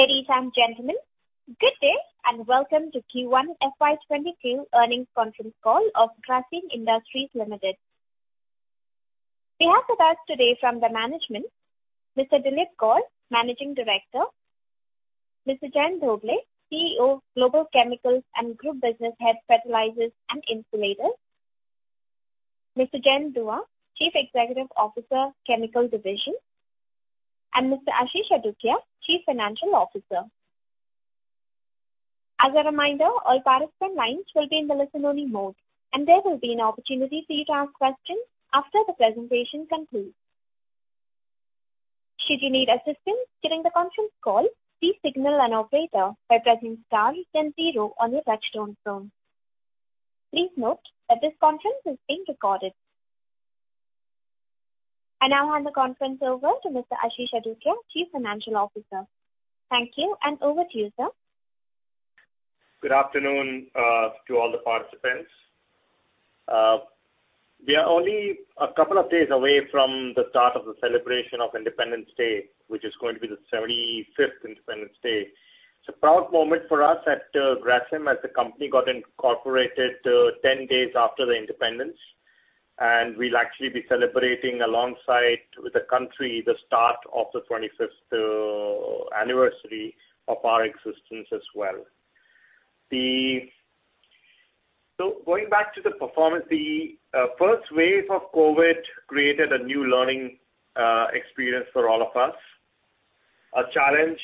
Ladies and gentlemen, good day, and welcome to Q1 FY 2022 Earnings Conference Call of Grasim Industries Limited. We have with us today from the management, Mr. Dilip Gaur, Managing Director. Mr. Jayant Dhobley, CEO of Global Chemicals and Group Business Head, Fertilizers and Insulators. Mr. Jayant Dua, Chief Executive Officer, Chemical Division, and Mr. Ashish Adukia, Chief Financial Officer. As a reminder, all participant lines will be in the listen only mode, and there will be an opportunity for you to ask questions after the presentation concludes. Should you need assistance during the conference call, please signal an operator by pressing star then zero on your touchtone phone. Please note that this conference is being recorded. I now hand the conference over to Mr. Ashish Adukia, Chief Financial Officer. Thank you, and over to you, sir. Good afternoon, to all the participants. We are only a couple of days away from the start of the celebration of Independence Day, which is going to be the 75th Independence Day. It is a proud moment for us at Grasim as the company got incorporated 10 days after the independence. We will actually be celebrating alongside with the country, the start of the 25th anniversary of our existence as well. Going back to the performance, the first wave of COVID created a new learning experience for all of us. A challenge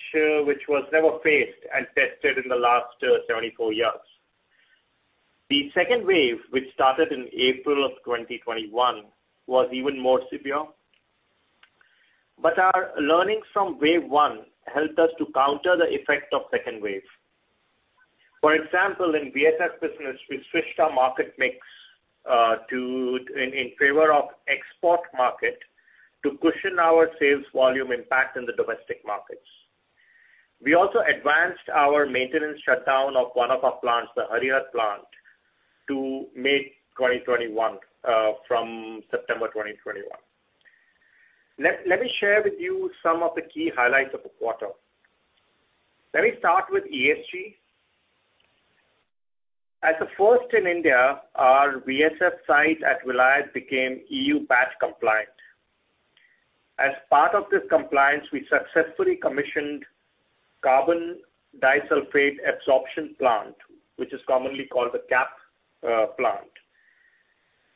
which was never faced and tested in the last 24 years. The second wave, which started in April of 2021, was even more severe. Our learnings from wave one helped us to counter the effect of second wave. For example, in VSF business, we switched our market mix in favor of export market to cushion our sales volume impact in the domestic markets. We also advanced our maintenance shutdown of one of our plants, the Harihar plant, to May 2021, from September 2021. Let me share with you some of the key highlights of the quarter. Let me start with ESG. As a first in India, our VSF site at Vilayat became EU BAT compliant. As part of this compliance, we successfully commissioned Carbon-disulphide Adsorption Plant, which is commonly called the CAP plant,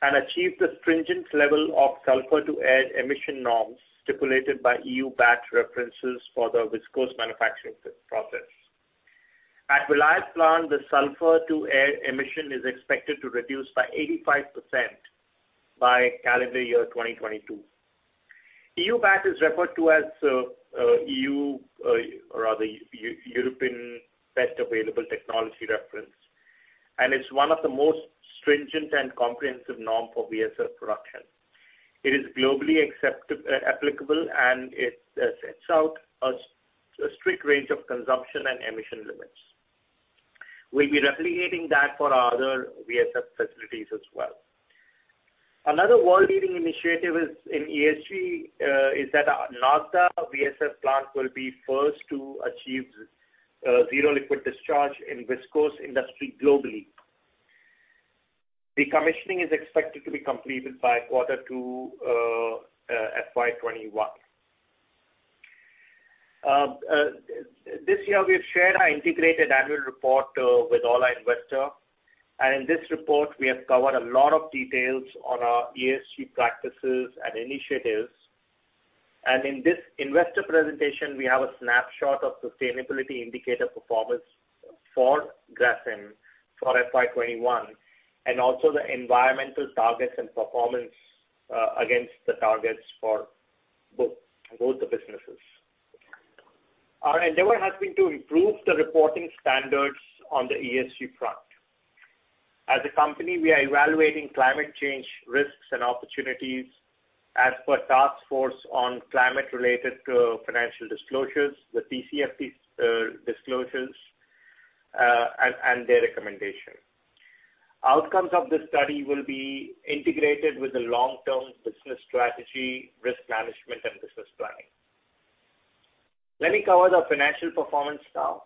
and achieved the stringent level of sulfur to air emission norms stipulated by EU BAT references for the viscose manufacturing process. At Vilayat plant, the sulfur to air emission is expected to reduce by 85% by calendar year 2022. EU BAT is referred to as European Best Available Technology reference, it's one of the most stringent and comprehensive norm for VSF production. It is globally applicable, it sets out a strict range of consumption and emission limits. We'll be replicating that for our other VSF facilities as well. Another world leading initiative in ESG is that our Nagda VSF plant will be first to achieve zero liquid discharge in viscose industry globally. Decommissioning is expected to be completed by quarter two FY 2021. This year, we've shared our integrated annual report with all our investor, in this report, we have covered a lot of details on our ESG practices and initiatives. In this investor presentation, we have a snapshot of sustainability indicator performance for Grasim for FY 2021, also the environmental targets and performance against the targets for both the businesses. Our endeavor has been to improve the reporting standards on the ESG front. As a company, we are evaluating climate change risks and opportunities as per Task Force on Climate-related Financial Disclosures, the TCFD disclosures, and their recommendation. Outcomes of this study will be integrated with the long-term business strategy, risk management, and business planning. Let me cover the financial performance now.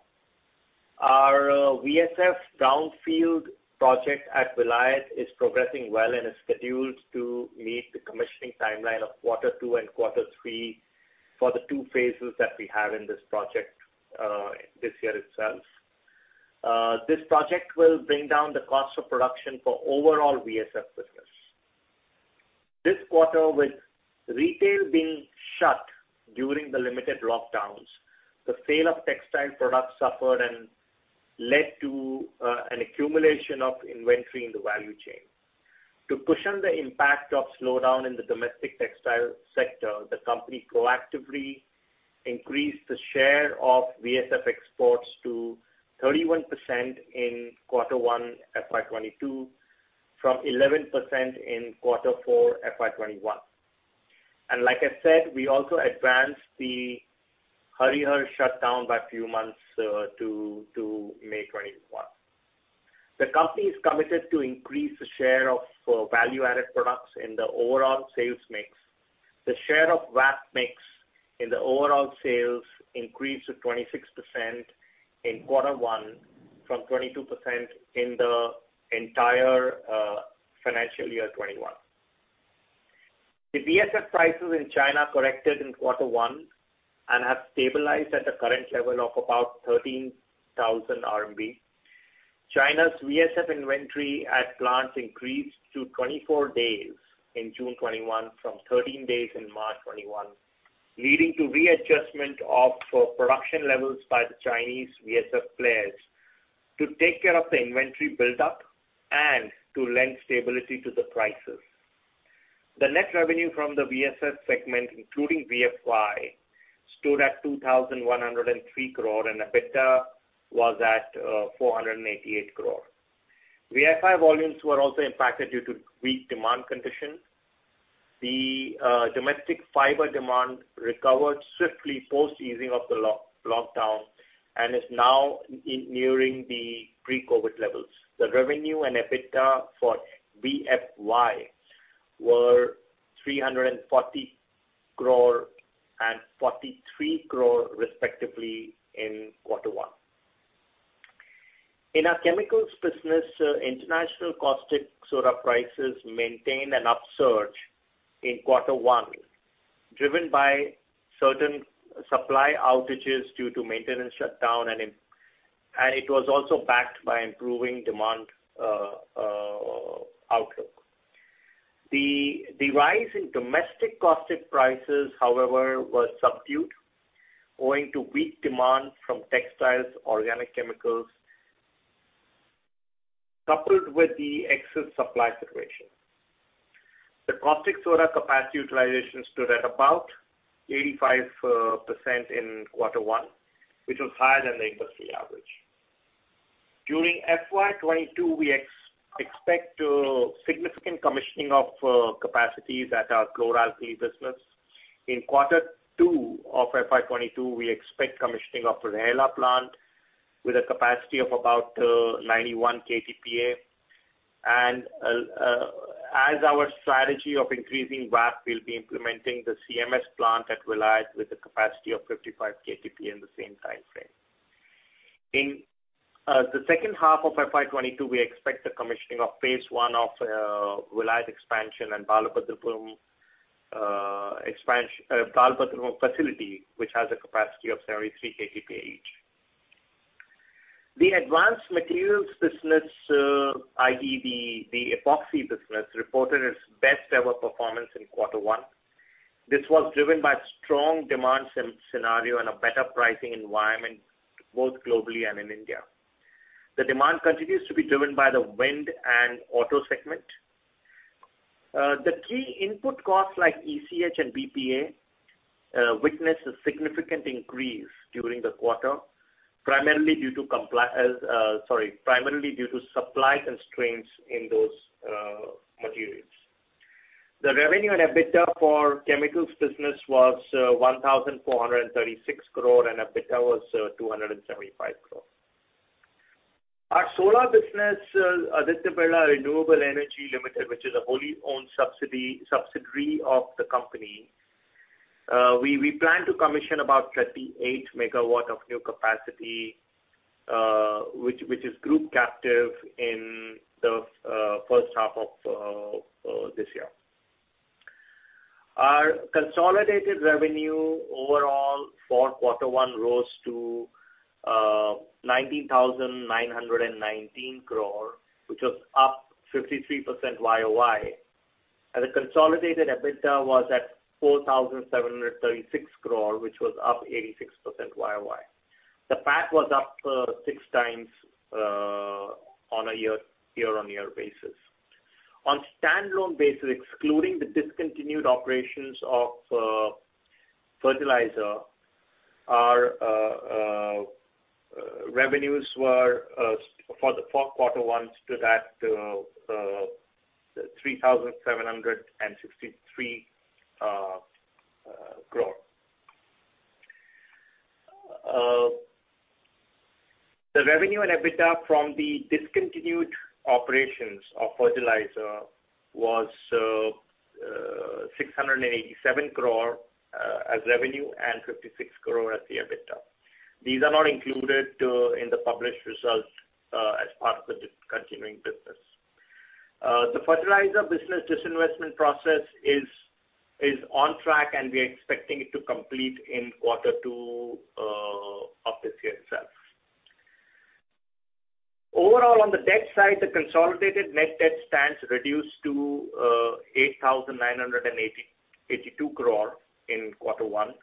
Our VSF brownfield project at Vilayat is progressing well and is scheduled to meet the commissioning timeline of quarter two and quarter three for the two phases that we have in this project this year itself. This project will bring down the cost of production for overall VSF business. This quarter, with retail being shut during the limited lockdowns, the sale of textile products suffered and led to an accumulation of inventory in the value chain. To cushion the impact of slowdown in the domestic textile sector, the company proactively increased the share of VSF exports to 31% in quarter one, FY 2022 from 11% in quarter four, FY 2021. Like I said, we also advanced the Harihar shutdown by few months to May 2021. The company is committed to increase the share of value added products in the overall sales mix. The share of VAP mix in the overall sales increased to 26% in quarter one from 22% in the entire financial year 2021. The VSF prices in China corrected in quarter one and have stabilized at the current level of about 13,000 RMB. China's VSF inventory at plants increased to 24 days in June 2021 from 13 days in March 2021, leading to readjustment of production levels by the Chinese VSF players to take care of the inventory buildup and to lend stability to the prices. The net revenue from the VSF segment, including VFY, stood at 2,103 crore and EBITDA was at 488 crore. VFY volumes were also impacted due to weak demand conditions. The domestic fiber demand recovered swiftly post easing of the lockdown and is now nearing the pre-COVID levels. The revenue and EBITDA for VFY were 340 crore and 43 crore respectively in quarter one. In our chemicals business, international caustic soda prices maintained an upsurge in quarter one, driven by certain supply outages due to maintenance shutdown, and it was also backed by improving demand outlook. The rise in domestic caustic prices, however, was subdued owing to weak demand from textiles, organic chemicals, coupled with the excess supply situation. The caustic soda capacity utilization stood at about 85% in quarter one, which was higher than the industry average. During FY 2022, we expect significant commissioning of capacities at our chlor-alkali business. In quarter two of FY 2022, we expect commissioning of Rehla plant with a capacity of about 91 KTPA. As our strategy of increasing VAP, we'll be implementing the CMS plant at Rehla with a capacity of 55 KTPA in the same time frame. In the second half of FY 2022, we expect the commissioning of phase I of Rehla expansion and Balabhadrapuram facility, which has a capacity of 73 KTPA each. The advanced materials business, i.e., the epoxy business, reported its best ever performance in quarter one. This was driven by strong demand scenario and a better pricing environment, both globally and in India. The demand continues to be driven by the wind and auto segment. The key input costs like ECH and BPA witnessed a significant increase during the quarter, primarily due to supply constraints in those materials. The revenue and EBITDA for chemicals business was 1,436 crore and EBITDA was 275 crore. Our solar business, Aditya Birla Renewables Energy Limited, which is a wholly owned subsidiary of the company, we plan to commission about 38 MW of new capacity, which is group captive, in the first half of this year. Our consolidated revenue overall for quarter one rose to 19,919 crore, which was up 53% year-over-year. The consolidated EBITDA was at 4,736 crore, which was up 86% year-over-year. The PAT was up 6x on a year-on-year basis. On standalone basis, excluding the discontinued operations of fertilizer, our revenues for the quarter one stood at INR 3,763 crore. The revenue and EBITDA from the discontinued operations of fertilizer was 687 crore as revenue and 56 crore as the EBITDA. These are not included in the published results as part of the continuing business. The fertilizer business disinvestment process is on track, and we are expecting it to complete in quarter two of this year itself. Overall, on the debt side, the consolidated net debt stands reduced to 8,982 crore in quarter one,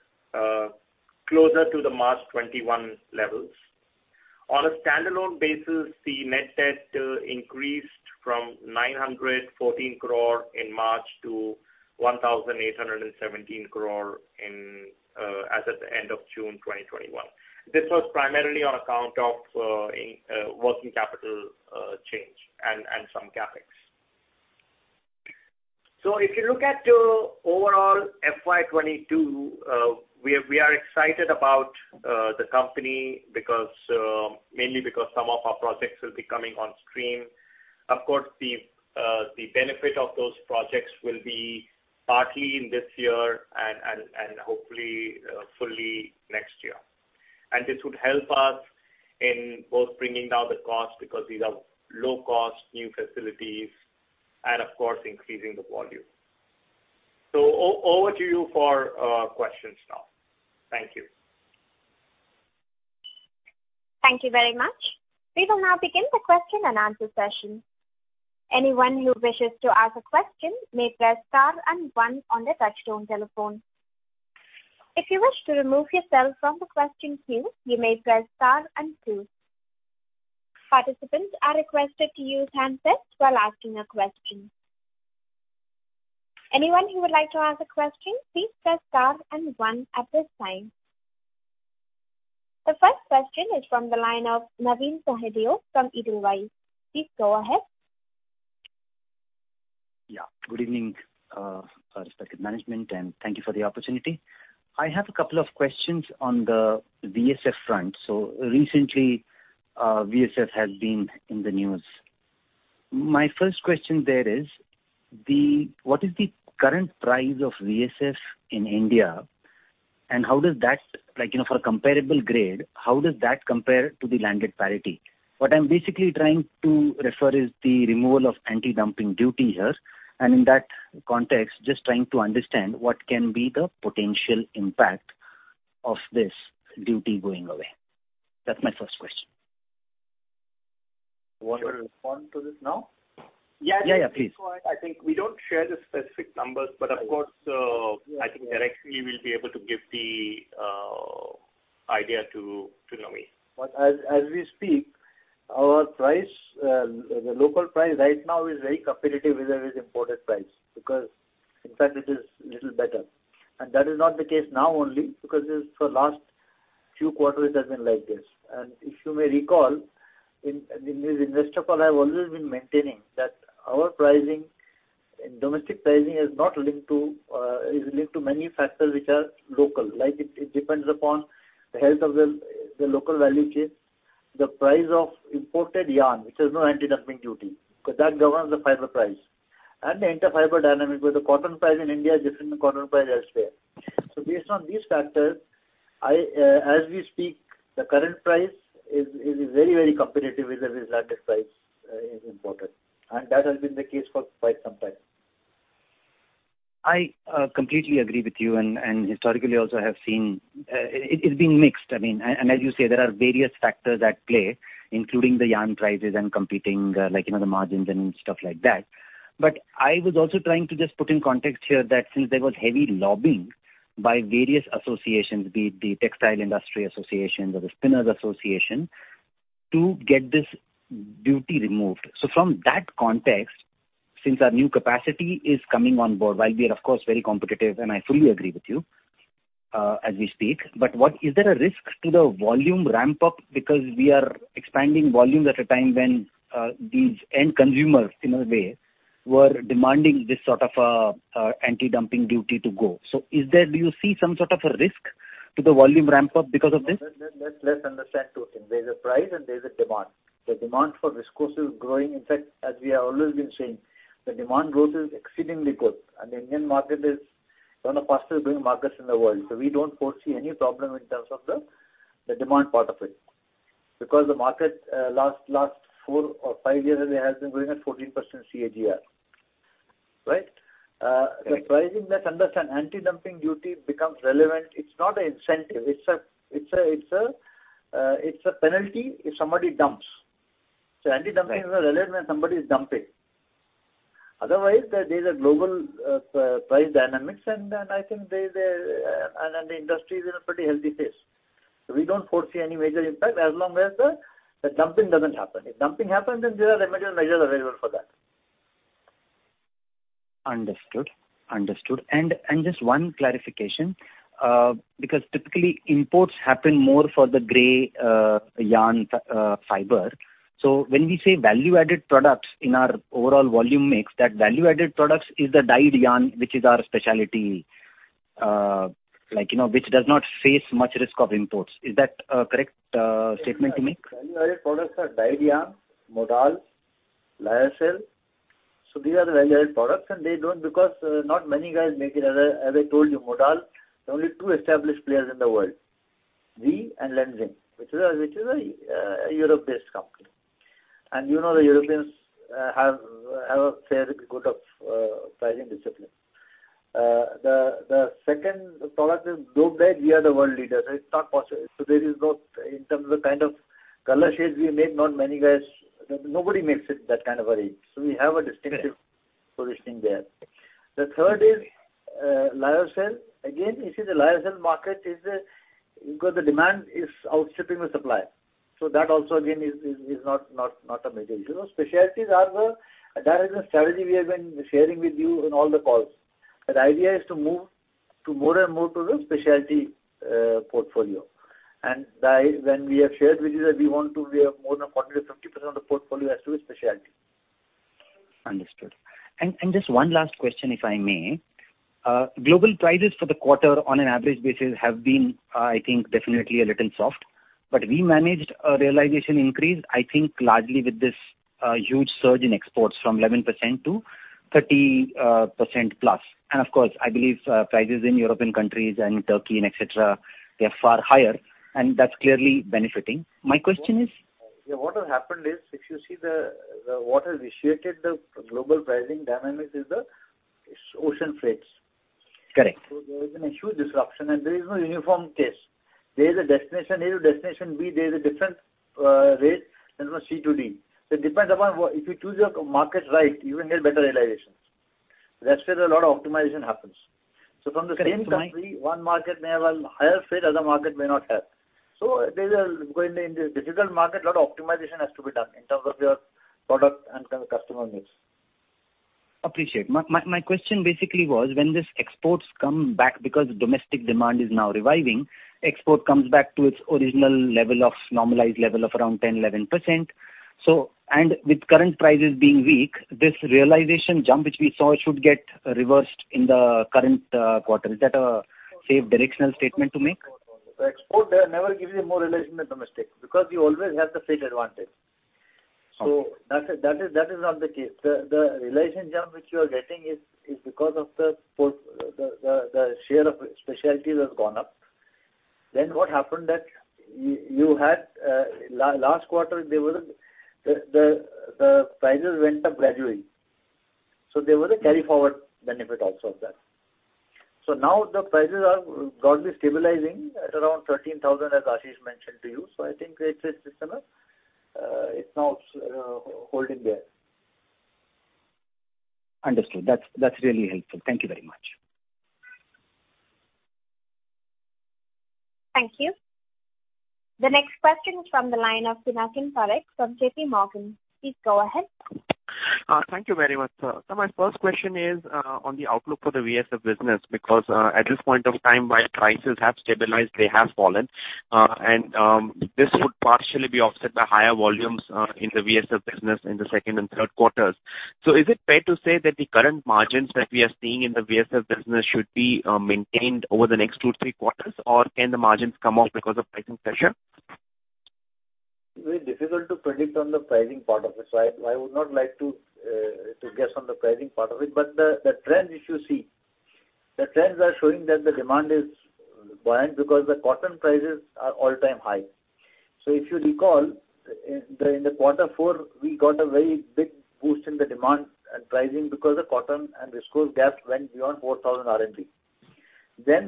closer to the March 2021 levels. On a standalone basis, the net debt increased from 914 crore in March to 1,817 crore as at the end of June 2021. This was primarily on account of working capital change and some CapEx. If you look at the overall FY 2022, we are excited about the company mainly because some of our projects will be coming on stream. Of course, the benefit of those projects will be partly in this year and hopefully fully next year. This would help us in both bringing down the cost because these are low-cost new facilities and of course, increasing the volume. Over to you for questions now. Thank you. Thank you very much. We will now begin the question and answer session. Anyone you wishes to ask a question, may press star and one on the touch-tone telephone. If you wish to remove yourself from question queue, you may press star and two. Participants are requested to use handset while asking a question. Anyone you would like to ask a question, please press star and one at this time. The first question is from the line of Navin Sahadeo from Edelweiss. Please go ahead. Good evening, respected management, and thank you for the opportunity. I have a couple of questions on the VSF front. Recently, VSF has been in the news. My first question there is, what is the current price of VSF in India and for a comparable grade, how does that compare to the landed parity? What I'm basically trying to refer is the removal of anti-dumping duty here, and in that context, just trying to understand what can be the potential impact of this duty going away. That's my first question. You want me to respond to this now? Yeah, please. I think we don't share the specific numbers, but of course, I think directly we'll be able to give the idea to Navin. As we speak, our local price right now is very competitive with our imported price because in fact it is a little better. That is not the case now only because for the last few quarters it has been like this. If you may recall, in this investor call I've always been maintaining that our domestic pricing is linked to many factors which are local. It depends upon the health of the local value chain, the price of imported yarn, which has no anti-dumping duty because that governs the fiber price, and the inter-fiber dynamic where the cotton price in India is different than the cotton price elsewhere. Based on these factors, as we speak, the current price is very competitive with the landed price imported and that has been the case for quite some time. I completely agree with you and historically also have seen it's been mixed. As you say, there are various factors at play, including the yarn prices and competing, the margins and stuff like that. I was also trying to just put in context here that since there was heavy lobbying by various associations, be it the Textile Industry Associations or the Spinners Association, to get this duty removed. From that context, since our new capacity is coming on board, while we are of course very competitive and I fully agree with you, as we speak, but is there a risk to the volume ramp-up because we are expanding volumes at a time when these end consumers, in a way, were demanding this sort of anti-dumping duty to go? Do you see some sort of a risk to the volume ramp-up because of this? Let's understand two things. There's a price and there's a demand. The demand for viscose is growing. In fact, as we have always been saying, the demand growth is exceedingly good and the Indian market is one of the fastest-growing markets in the world. We don't foresee any problem in terms of the demand part of it. The market, last four or five years, has been growing at 14% CAGR. Right? Right. The pricing, let's understand, anti-dumping duty becomes relevant. It is not an incentive. It is a penalty if somebody dumps. Anti-dumping is relevant when somebody is dumping. Otherwise, there is a global price dynamics and I think the industry is in a pretty healthy phase. We don't foresee any major impact as long as the dumping doesn't happen. If dumping happens, there are remedial measures available for that. Understood. Just one clarification, because typically imports happen more for the gray yarn fiber. When we say value-added products in our overall volume mix, that value-added products is the dyed yarn which is our specialty, which does not face much risk of imports. Is that a correct statement to make? Value-added products are dyed yarn, modal, lyocell. These are the value-added products, because not many guys make it. As I told you, modal, there are only two established players in the world, we and Lenzing, which is a Europe-based company. You know the Europeans have a fair bit good of pricing discipline. The second product is dope dyed. We are the world leaders. It's not possible. In terms of kind of color shades we make, nobody makes it that kind of a range. We have a distinctive positioning there. The third is lyocell. Again, you see the lyocell market, because the demand is outstripping the supply. That also again is not a major issue. Specialties are the direction strategy we have been sharing with you in all the calls. The idea is to move to more and more to the specialty portfolio. When we have shared with you that we want to be more than 40%-50% of the portfolio as to a specialty. Understood. Just one last question, if I may. Global prices for the quarter on an average basis have been, I think, definitely a little soft. We managed a realization increase, I think, largely with this huge surge in exports from 11% to 30%+. Of course, I believe prices in European countries and Turkey, et cetera, they're far higher, and that's clearly benefiting. My question is-- Yeah. What has happened is, if you see what has initiated the global pricing dynamics is the ocean freights. Correct. There has been a huge disruption, and there is no uniform case. There is a destination A to destination B, there's a different rate than from C to D. It depends upon if you choose your markets right, you will get better realizations. That's where a lot of optimization happens. From the same factory, one market may have a higher freight, other market may not have. In this difficult market, a lot of optimization has to be done in terms of your product and customer mix. Appreciate. My question basically was, when these exports come back, because domestic demand is now reviving, export comes back to its original normalized level of around 10%, 11%. With current prices being weak, this realization jump which we saw should get reversed in the current quarter. Is that a safe directional statement to make? The export never gives you more realization than domestic, because you always have the freight advantage. Okay. That is not the case. The realization jump which you are getting is because of the share of specialties has gone up. What happened that you had last quarter, the prices went up gradually. There was a carry forward benefit also of that. Now the prices have broadly stabilizing at around 13,000, as Ashish mentioned to you. I think it's now holding there. Understood. That's really helpful. Thank you very much. Thank you. The next question is from the line of Pinakin Parekh from J.P. Morgan. Please go ahead. Thank you very much, sir. My first question is on the outlook for the VSF business, because at this point of time, while prices have stabilized, they have fallen. This would partially be offset by higher volumes in the VSF business in the second and third quarters. Is it fair to say that the current margins that we are seeing in the VSF business should be maintained over the next two, three quarters? Can the margins come off because of pricing pressure? Very difficult to predict on the pricing part of it. I would not like to guess on the pricing part of it. The trends which you see, the trends are showing that the demand is buoyant because the cotton prices are all-time high. If you recall, in the quarter four, we got a very big boost in the demand and pricing because the cotton and viscose gap went beyond 4,000 RMB.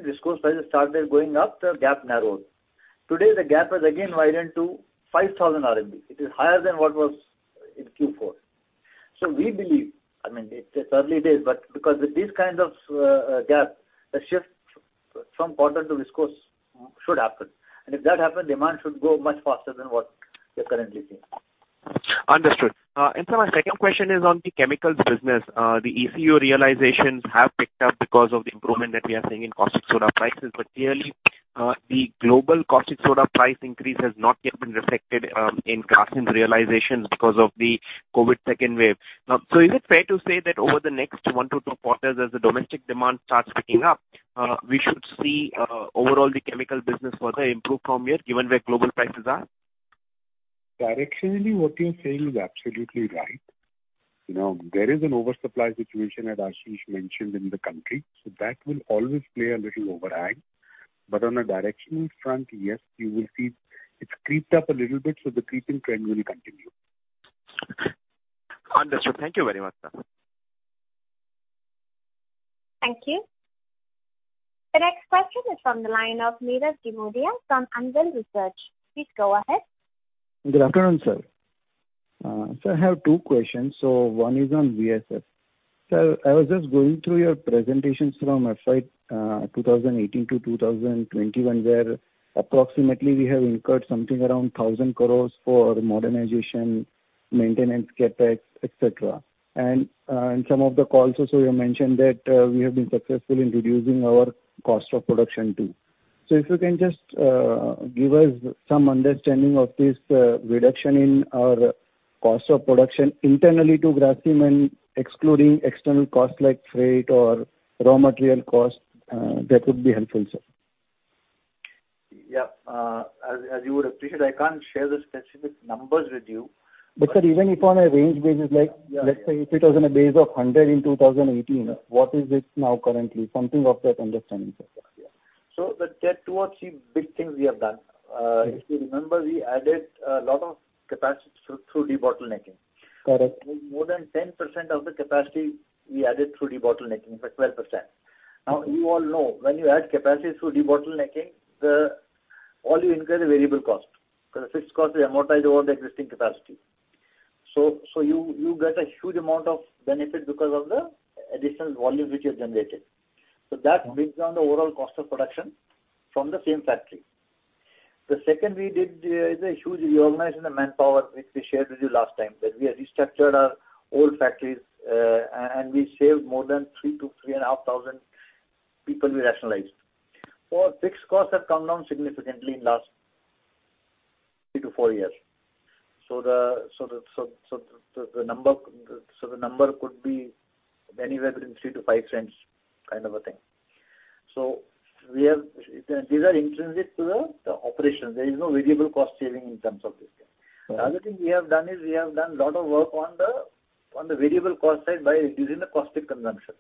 Viscose prices started going up, the gap narrowed. Today, the gap has again widened to 5,000 RMB. It is higher than what was in Q4. We believe, it's early days, but because with these kinds of gap, the shift from cotton to viscose should happen. If that happens, demand should grow much faster than what we are currently seeing. Understood. Sir, my second question is on the Chemicals business. The ECU realizations have picked up because of the improvement that we are seeing in caustic soda prices. Clearly, the global caustic soda price increase has not yet been reflected in Grasim's realizations because of the COVID second wave. Is it fair to say that over the next one-two quarters, as the domestic demand starts picking up, we should see overall the Chemicals business further improve from here, given where global prices are? Directionally, what you're saying is absolutely right. There is an oversupply situation, as Ashish mentioned, in the country. That will always play a little overhang. On a directional front, yes, you will see it's creeped up a little bit, the creeping trend will continue. Understood. Thank you very much, sir. Thank you. The next question is from the line of Nirav Jimudia from Anvil Research. Please go ahead. Good afternoon, sir. Sir, I have two questions. One is on VSF. Sir, I was just going through your presentations from FY 2018 to 2021, where approximately we have incurred something around 1,000 crores for modernization, maintenance, CapEx, et cetera. In some of the calls also, you mentioned that we have been successful in reducing our cost of production too. If you can just give us some understanding of this reduction in our cost of production internally to Grasim and excluding external costs like freight or raw material cost, that would be helpful, sir. Yeah. As you would appreciate, I cannot share the specific numbers with you. Sir, even if on a range basis, like let's say if it was on a base of 100 in 2018, what is it now currently? Something of that understanding, sir. Yeah. There are two or three big things we have done. If you remember, we added a lot of capacity through debottlenecking. Correct. More than 10% of the capacity we added through debottlenecking. In fact, 12%. You all know when you add capacity through debottlenecking, all you incur the variable cost, because the fixed cost is amortized over the existing capacity. You get a huge amount of benefit because of the additional volume which you have generated. That brings down the overall cost of production from the same factory. The second we did is a huge reorganization of manpower, which we shared with you last time, that we have restructured our old factories, and we saved more than 3,000-3,500 people we rationalized. Our fixed costs have come down significantly in the last three-four years. The number could be anywhere within $0.03-$0.05 kind of a thing. These are intrinsic to the operation. There is no variable cost saving in terms of this thing. Correct. The other thing we have done is we have done a lot of work on the variable cost side by reducing the caustic consumption.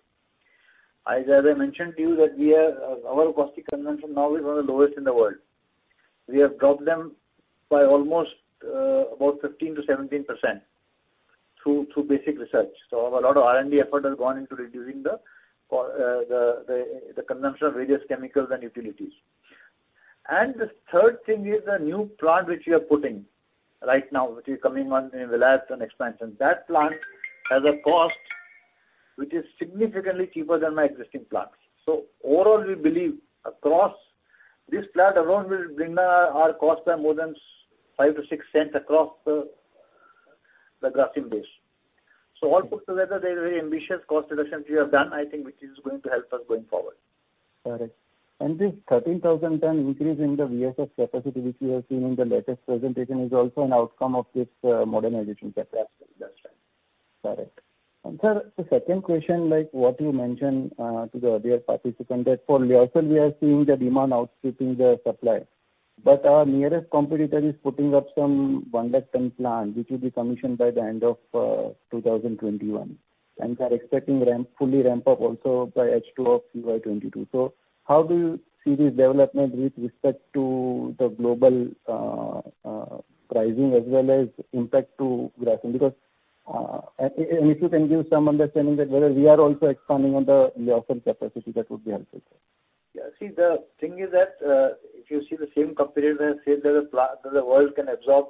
As I mentioned to you that our caustic consumption now is one of the lowest in the world. We have dropped them by almost about 15%-17% through basic research. A lot of R&D effort has gone into reducing the consumption of various chemicals and utilities. The third thing is a new plant which we are putting right now, which is coming on in the last on expansion. That plant has a cost which is significantly cheaper than my existing plants. Overall, we believe this plant alone will bring down our cost by more than $0.05-$0.06 across the Grasim base. All put together, they are very ambitious cost reductions we have done, I think, which is going to help us going forward. Correct. This 13,000 ton increase in the VSF capacity which we have seen in the latest presentation is also an outcome of this modernization capacity. That's right. Correct. Sir, the second question, like what you mentioned to the other participant that for lyocell, we are seeing the demand outstripping the supply. Our nearest competitor is putting up some 1 million ton plant, which will be commissioned by the end of 2021 and are expecting fully ramp up also by H2 of FY 2022. How do you see this development with respect to the global pricing as well as impact to Grasim? If you can give some understanding that whether we are also expanding on the lyocell capacity, that would be helpful. Yeah, see, the thing is that if you see the same competitor has said that the world can absorb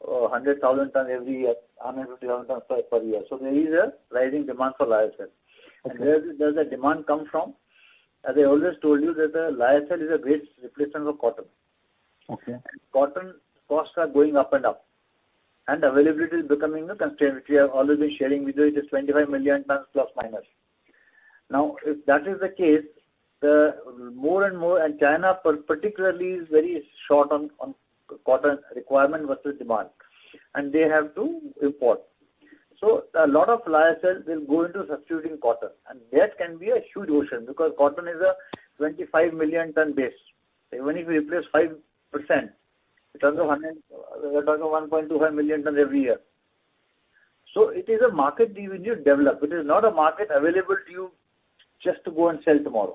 100,000 tons every year, 150,000 tons per year. There is a rising demand for lyocell. Where does that demand come from? As I always told you that the lyocell is a great replacement for cotton. Okay. Cotton costs are going up and up, and availability is becoming a constraint, which we have always been sharing with you, it is 25 million tons ±. If that is the case, more and more, China particularly is very short on cotton requirement versus demand, and they have to import. A lot of lyocell will go into substituting cotton. That can be a huge ocean because cotton is a 25 million ton base. Even if we replace 5%, we're talking 1.25 million tons every year. It is a market you need to develop. It is not a market available to you just to go and sell tomorrow.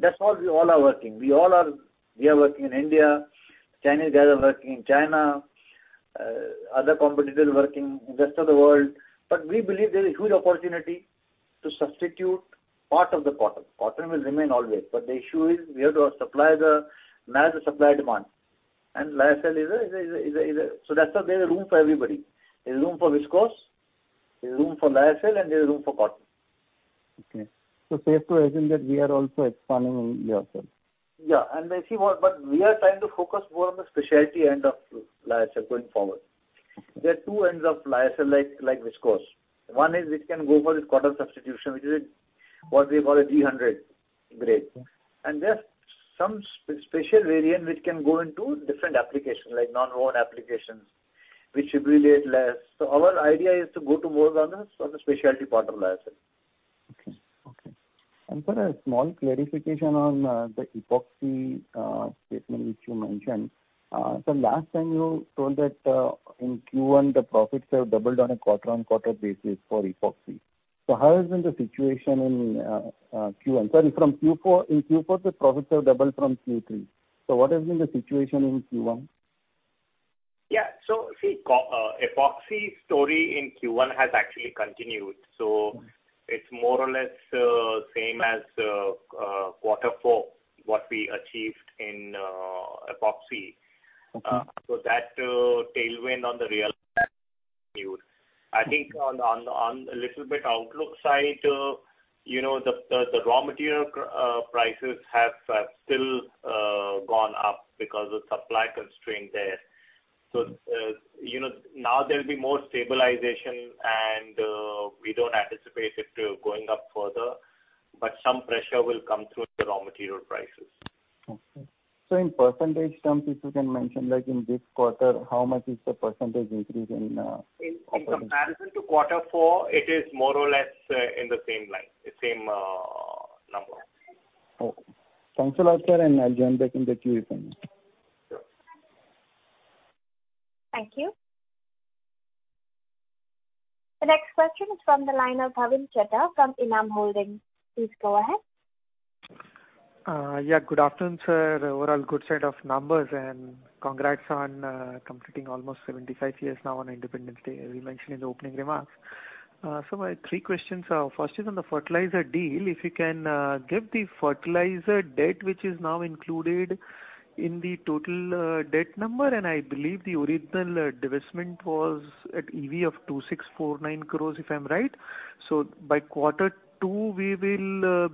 That's what we all are working. We are working in India, Chinese guys are working in China, other competitors are working in rest of the world. We believe there's a huge opportunity to substitute part of the cotton. Cotton will remain always, but the issue is we have to match the supply-demand. That's why there's room for everybody. There's room for viscose, there's room for lyocell, and there's room for cotton. Okay. safe to assume that we are also expanding in lyocell. Yeah. We are trying to focus more on the specialty end of lyocell going forward. There are two ends of lyocell like viscose. One is it can go for this cotton substitution, which is what we call a D100 grade. There's some special variant which can go into different applications, like nonwoven applications. Our idea is to go to more on the specialty part of lyocell. Okay. Sir, a small clarification on the epoxy statement which you mentioned. Sir, last time you told that in Q1, the profits have doubled on a quarter-on-quarter basis for epoxy. How has been the situation in Q1? Sorry, in Q4, the profits have doubled from Q3. What has been the situation in Q1? Yeah. Epoxy story in Q1 has actually continued. It's more or less same as quarter four, what we achieved in epoxy. Okay. That tailwind on the real continued. I think on a little bit outlook side, the raw material prices have still gone up because of supply constraint there. Now there'll be more stabilization, and we don't anticipate it going up further, but some pressure will come through the raw material prices. Okay. In percentage terms, if you can mention, like in this quarter, how much is the percentage increase in? In comparison to quarter four, it is more or less in the same line, the same number. Thanks a lot, sir, and I'll join back in the queue, if anyone. Sure. Thank you. The next question is from the line of Bhavin Chheda from Enam Holdings. Please go ahead. Yeah, good afternoon, sir. Overall good set of numbers and congrats on completing almost 75 years now on Independence Day, as you mentioned in the opening remarks. Sir, my three questions are, first is on the fertilizer deal. If you can give the fertilizer debt which is now included in the total debt number, and I believe the original divestment was at EV of 2,649 crores, if I'm right. By quarter two, the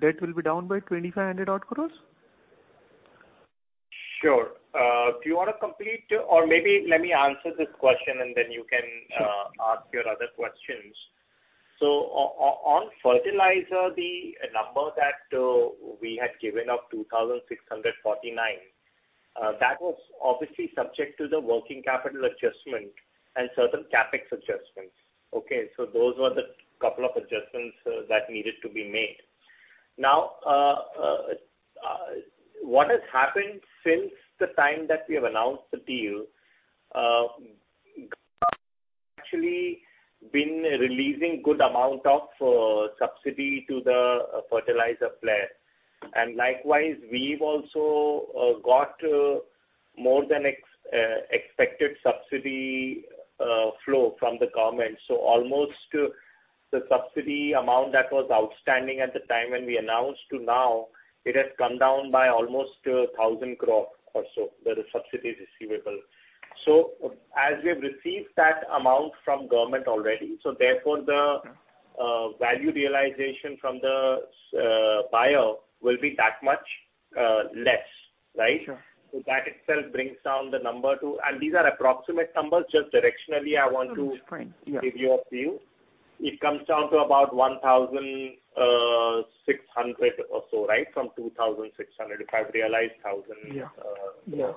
debt will be down by 2,500 crores? Sure. Do you want to complete? Maybe let me answer this question and then you can ask your other questions. On fertilizer, the number that we had given of 2,649, that was obviously subject to the working capital adjustment and certain CapEx adjustments. Okay. Those were the couple of adjustments that needed to be made. What has happened since the time that we have announced the deal, actually been releasing good amount of subsidy to the fertilizer player. Likewise, we've also got more than expected subsidy flow from the government. Almost the subsidy amount that was outstanding at the time when we announced to now, it has come down by almost 1,000 crore or so, that is subsidy receivable. As we've received that amount from government already, therefore the value realization from the buyer will be that much less, right? Sure. That itself brings down the number to. These are approximate numbers just directionally I want to give you a view. It comes down to about 1,600 crore or so, right? From 2,600 crore, if I've realized, 1,000 crore.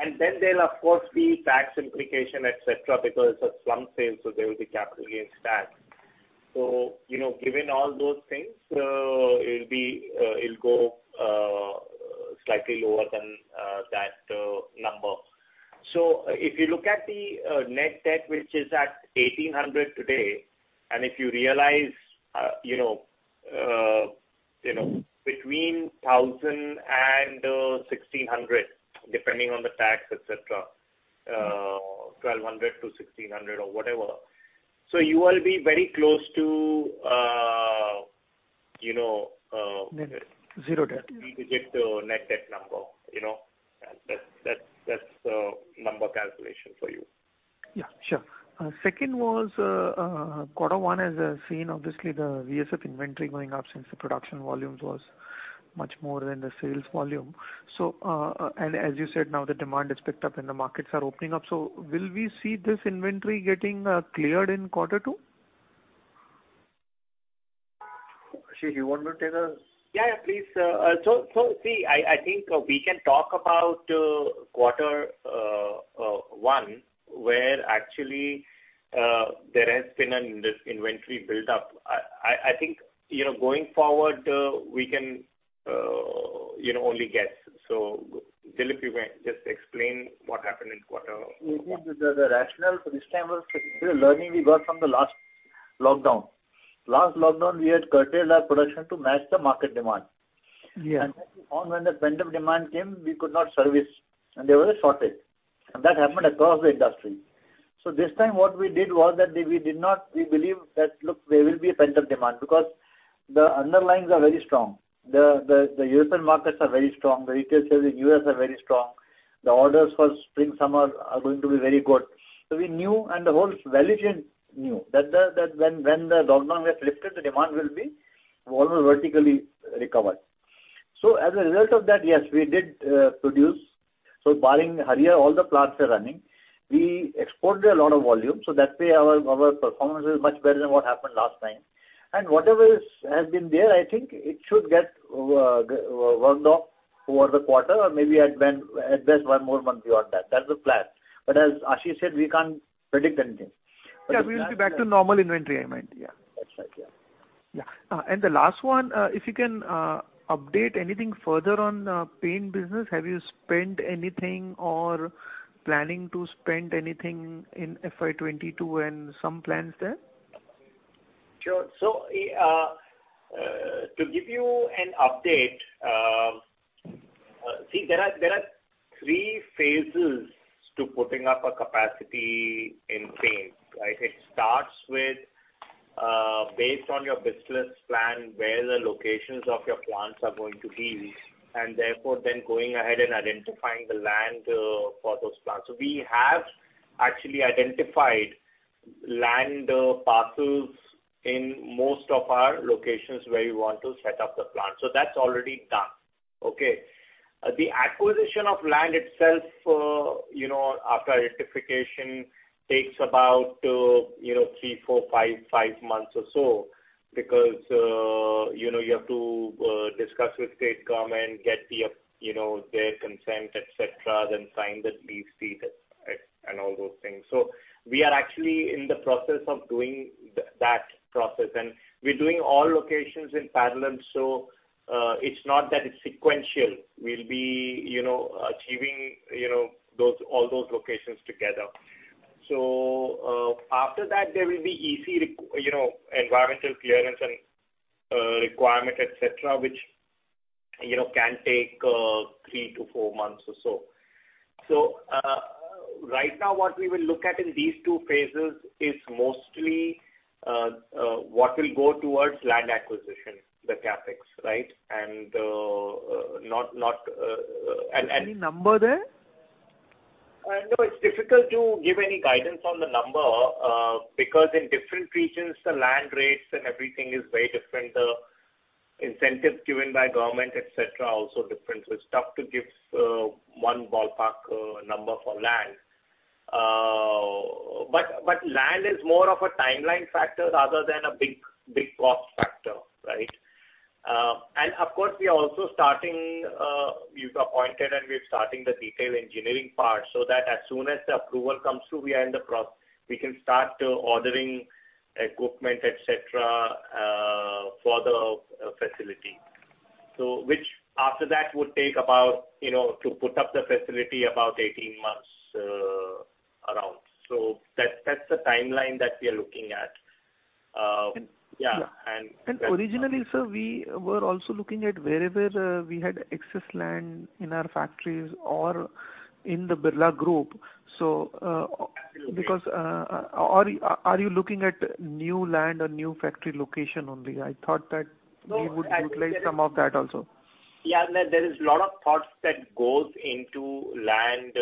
Yeah. Then there'll of course be tax implication, et cetera, because it's a slump sale, so there will be capital gains tax. Given all those things, it'll go slightly lower than that number. If you look at the net debt, which is at 1,800 crore today, and if you realize between 1,000 crore and 1,600 crore, depending on the tax, et cetera, 1,200 crore-1,600 crore or whatever. It will be very close to-- Zero debt. To get the net debt number. That's the number calculation for you. Yeah. Sure. Second was, quarter one has seen obviously the VSF inventory going up since the production volumes was much more than the sales volume. As you said, now the demand has picked up and the markets are opening up. Will we see this inventory getting cleared in quarter two? Ashish, you want to take this? Yeah, please. I think we can talk about quarter one, where actually there has been an inventory buildup. I think going forward, we can only guess. Dilip, you may just explain what happened in quarter one. The rationale for this time was the learning we got from the last lockdown. Last lockdown, we had curtailed our production to match the market demand. Yeah. That is when the pent-up demand came, we could not service, and there was a shortage. That happened across the industry. This time, what we did was that we believed that, look, there will be a pent-up demand because the underlyings are very strong. The European markets are very strong. The retailers in U.S. are very strong. The orders for spring-summer are going to be very good. We knew, and the whole value chain knew, that when the lockdown gets lifted, the demand will be almost vertically recovered. As a result of that, yes, we did produce. Barring Harihar, all the plants are running. We exported a lot of volume, so that way our performance is much better than what happened last time. Whatever has been there, I think it should get worked off over the quarter or maybe at best one more month beyond that. That's the plan. As Ashish said, we can't predict anything. Yeah, we will be back to normal inventory, I meant. Yeah. That's right. Yeah. Yeah. The last one, if you can update anything further on paint business, have you spent anything or planning to spend anything in FY 2022 and some plans there? Sure. To give you an update, see, there are three phases to putting up a capacity in paint. It starts with based on your business plan, where the locations of your plants are going to be, and therefore then going ahead and identifying the land for those plants. We have actually identified land parcels in most of our locations where we want to set up the plant. That's already done. Okay. The acquisition of land itself after identification takes about three, four, five months or so, because you have to discuss with state government, get their consent, et cetera, then sign the lease deed and all those things. We are actually in the process of doing that process, and we're doing all locations in parallel, so it's not that it's sequential. We'll be achieving all those locations together. After that, there will be EC, Environmental Clearance and requirement, et cetera, which can take three to four months or so. Right now, what we will look at in these two phases is mostly what will go towards land acquisition, the CapEx, right? Any number there? No, it's difficult to give any guidance on the number because in different regions, the land rates and everything is very different. The incentives given by government, et cetera, also different. It's tough to give one ballpark number for land. But land is more of a timeline factor rather than a big cost factor, right? Of course, we are also starting, we've appointed and we're starting the detail engineering part, so that as soon as the approval comes through, we are in the process. We can start ordering equipment, et cetera, for the facility. Which after that would take about, to put up the facility, about 18 months around. That's the timeline that we are looking at. Originally, sir, we were also looking at wherever we had excess land in our factories or in the Birla Group. Absolutely. Are you looking at new land or new factory location only? I thought that we would utilize some of that also. Yeah, there is a lot of thoughts that goes into land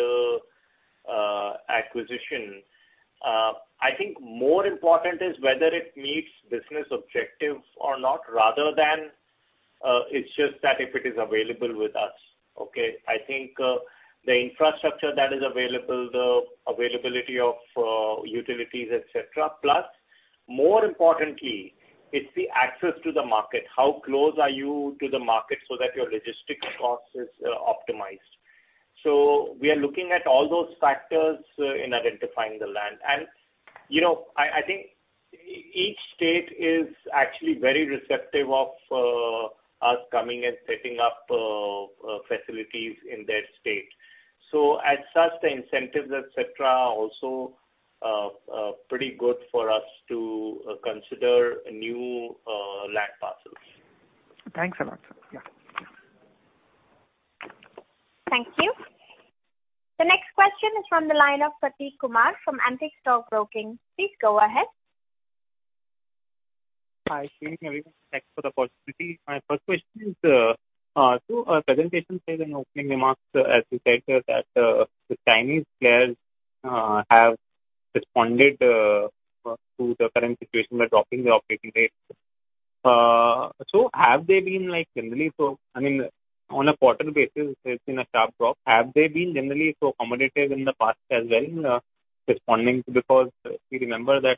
acquisition. I think more important is whether it meets business objectives or not, rather than it's just that if it is available with us, okay. I think the infrastructure that is available, the availability of utilities, et cetera, plus more importantly, it's the access to the market. How close are you to the market so that your logistics cost is optimized. We are looking at all those factors in identifying the land. I think each state is actually very receptive of us coming and setting up facilities in their state. As such, the incentives, et cetera, are also pretty good for us to consider new land parcels. Thanks a lot, sir. Yeah. Thank you. The next question is from the line of Prateek Kumar from Antique Stock Broking. Please go ahead. Hi, good evening everyone. Thanks for the opportunity. My first question is, so our presentation says in opening remarks as you said, sir, that the Chinese players have responded to the current situation by dropping the operating rates. Have they been like generally, I mean, on a quarter-basis, it's been a sharp drop. Have they been generally so accommodative in the past as well in responding? If you remember that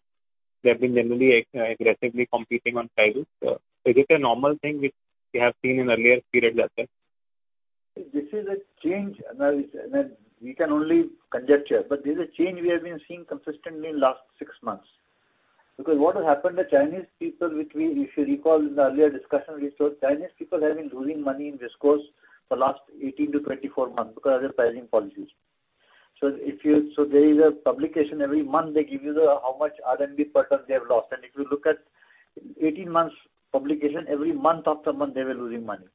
they've been generally aggressively competing on prices. Is it a normal thing which we have seen in earlier periods as well? This is a change and we can only conjecture, but this is a change we have been seeing consistently in last six months. What has happened, the Chinese people, if you recall in the earlier discussion we told, Chinese people have been losing money in viscose for last 18-24 months because of their pricing policies. There is a publication every month, they give you the how much RMB per ton they have lost. If you look at 18 months publication, every month after month, they were losing money.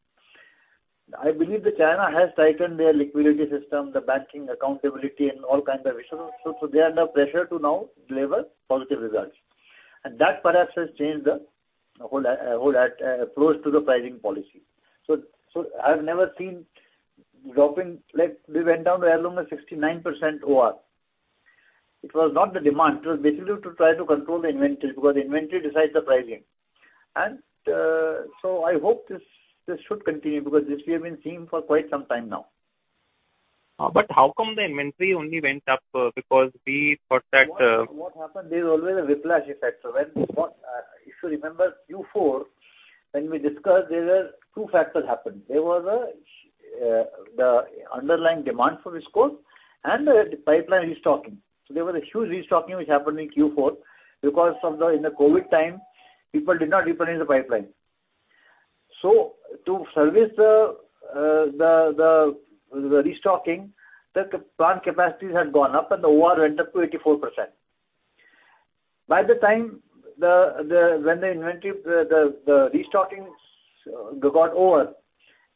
I believe that China has tightened their liquidity system, the banking accountability and all kinds of issues. They are under pressure to now deliver positive results. That perhaps has changed the whole approach to the pricing policy. I've never seen dropping like we went down to as low as 69% OR. It was not the demand. It was basically to try to control the inventory because inventory decides the pricing. I hope this should continue because this we have been seeing for quite some time now. How come the inventory only went up? What happened, there's always a whiplash effect. If you remember Q4, when we discussed, there were two factors happened. There was the underlying demand for viscose and the pipeline restocking. There was a huge restocking which happened in Q4 because in the COVID time, people did not replenish the pipeline. To service the restocking, the plant capacities had gone up and the OR went up to 84%. When the inventory, the restocking got over,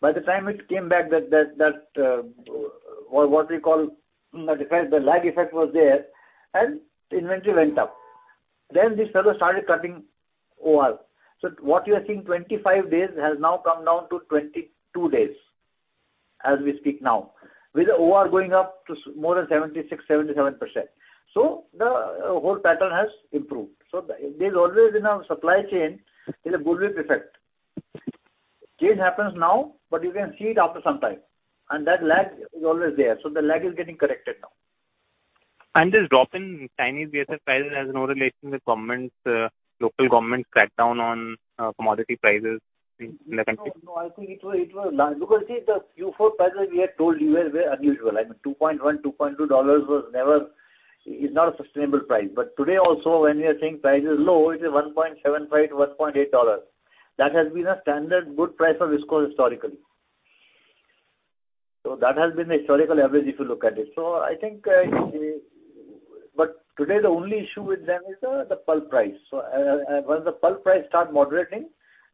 by the time it came back, that what we call the lag effect was there, and inventory went up. These sellers started cutting OR. What you are seeing, 25 days has now come down to 22 days as we speak now, with the OR going up to more than 76%-77%. The whole pattern has improved. There's always in our supply chain, there's a bullwhip effect. Change happens now, but you can see it after some time, and that lag is always there. The lag is getting corrected now. This drop in Chinese VSF prices has no relation with local government crackdown on commodity prices in the country? No, I think it was large. The Q4 prices we had told you were very unusual. $2.1, $2.2 is not a sustainable price. Today also, when we are saying price is low, it is $1.75-$1.8. That has been a standard good price for viscose historically. That has been the historical average, if you look at it. Today the only issue with them is the pulp price. Once the pulp price start moderating,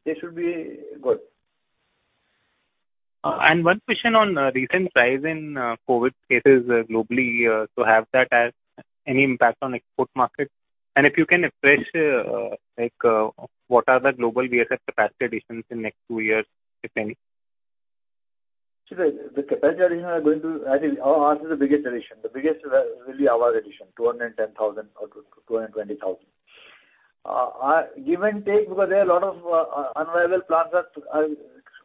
they should be good. One question on recent rise in COVID cases globally. Have that any impact on export market? If you can refresh, what are the global VSF capacity additions in next two years, if any? See, the capacity addition, ours is the biggest addition. The biggest will be our addition, 210,000 or 220,000. Give and take, because there are a lot of unviable plants are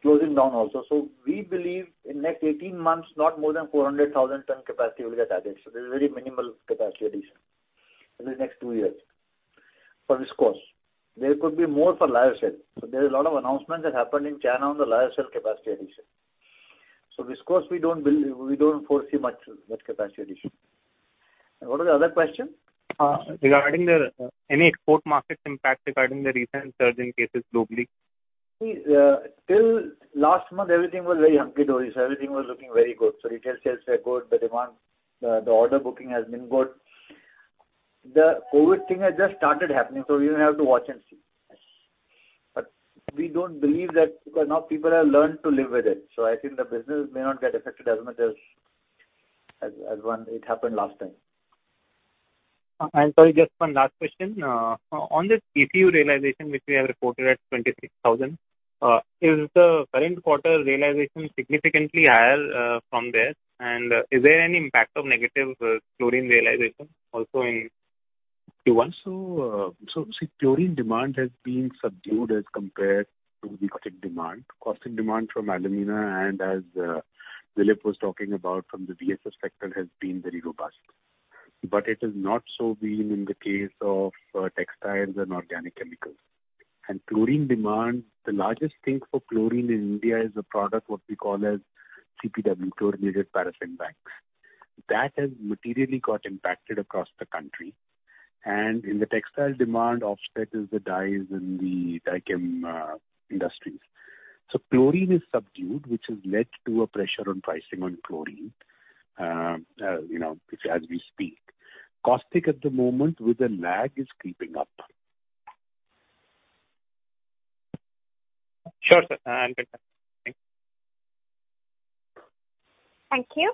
closing down also. We believe in next 18 months, not more than 400,000 tons capacity will get added. There is very minimal capacity addition in the next two years for viscose. There could be more for lyocell. There are a lot of announcements that happened in China on the lyocell capacity addition. viscose, we don't foresee much capacity addition. What was the other question? Regarding any export market impact regarding the recent surge in cases globally. Till last month, everything was very hunky-dory. Everything was looking very good. Retail sales were good, the demand, the order booking has been good. The COVID thing has just started happening. We will have to watch and see. We don't believe that, because now people have learned to live with it. I think the business may not get affected as much as when it happened last time. Sorry, just one last question. On this ECU realization, which we have reported at 26,000, is the current quarter realization significantly higher from there? Is there any impact of negative chlorine realization also? Okay. See, chlorine demand has been subdued as compared to the caustic demand. Caustic demand from alumina and as Dilip was talking about from the VSF sector has been very robust. It has not so been in the case of textiles and organic chemicals. Chlorine demand, the largest thing for chlorine in India is a product what we call as CPW, chlorinated paraffin wax. That has materially got impacted across the country. In the textile demand offset is the dyes and the dychem industries. Chlorine is subdued, which has led to a pressure on pricing on chlorine as we speak. Caustic at the moment with a lag is creeping up. Sure, sir. Thank you. Thank you.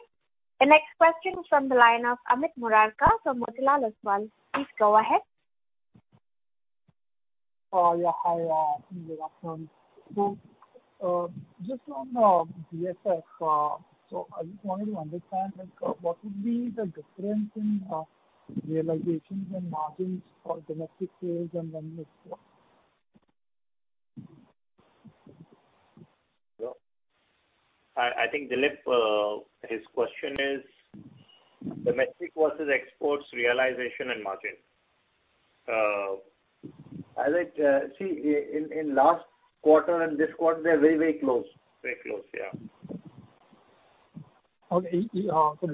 The next question is from the line of Amit Murarka from Motilal Oswal. Please go ahead. Yeah. Hi. Good afternoon. Just on VSF. I just wanted to understand what would be the difference in realizations and margins for domestic sales and then export. I think, Dilip, his question is domestic versus exports realization and margin. See, in last quarter and this quarter, they're very close. Very close, yeah. Okay.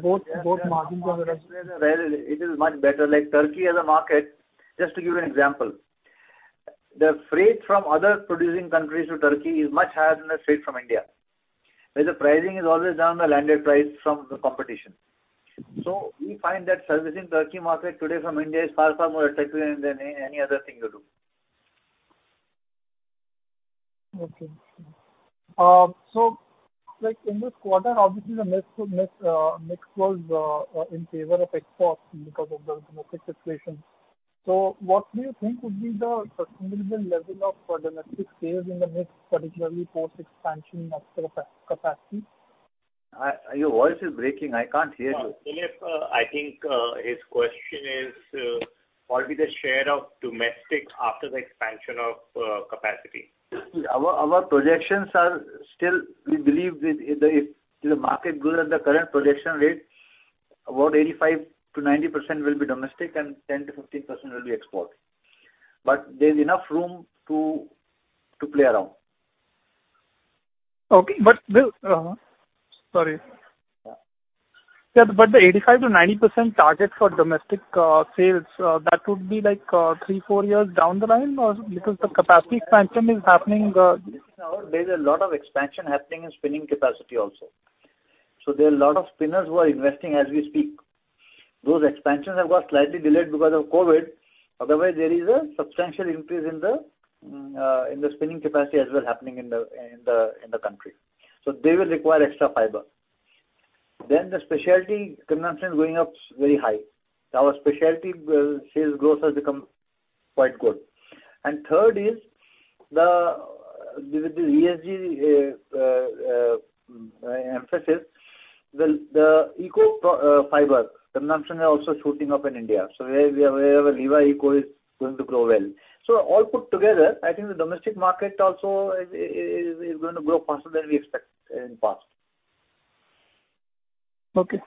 both margins are-- It is much better. Like Turkey as a market, just to give you an example. The freight from other producing countries to Turkey is much higher than the freight from India, where the pricing is always down the landed price from the competition. We find that servicing Turkey market today from India is far more attractive than any other thing to do. Okay. In this quarter, obviously the mix was in favor of export because of the domestic situation. What do you think would be the sustainable level of domestic sales in the mix, particularly post-expansion of capacity? Your voice is breaking. I can't hear you. Dilip, I think his question is what will be the share of domestic after the expansion of capacity. Our projections are still, we believe if the market grows at the current projection rate, about 85%-90% will be domestic and 10%-15% will be export. There's enough room to play around. Okay. The 85%-90% target for domestic sales, that would be like three, four years down the line? Because the capacity expansion is happening. There's a lot of expansion happening in spinning capacity also. There are a lot of spinners who are investing as we speak. Those expansions have got slightly delayed because of COVID. Otherwise, there is a substantial increase in the spinning capacity as well happening in the country. They will require extra fiber. The specialty consumption going up is very high. Our specialty sales growth has become quite good. Third is with the ESG emphasis, the eco fiber consumption are also shooting up in India. Wherever Livaeco is going to grow well. All put together, I think the domestic market also is going to grow faster than we expect in past. Okay.